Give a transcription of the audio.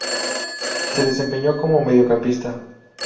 Se desempeñó como mediocampista.